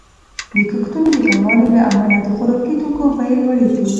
د کښتونو د کموالي له امله د خوراکي توکو بیې لوړیږي.